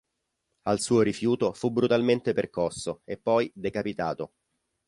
Al suo rifiuto fu brutalmente percosso e poi decapitato.